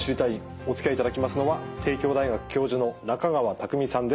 おつきあいいただきますのは帝京大学教授の中川匠さんです。